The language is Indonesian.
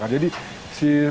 jadi si pak